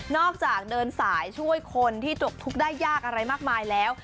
จากเดินสายช่วยคนที่จบทุกข์ได้ยากอะไรมากมายแล้ว